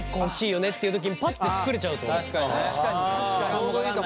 ちょうどいいかも。